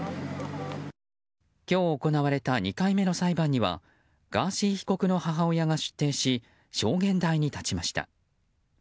今日、行われた２回目の裁判にはガーシー被告の母親が出廷し証言台に立ちました。